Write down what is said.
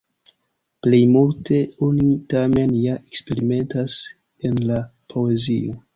Plej multe oni tamen ja eksperimentas en la poezio.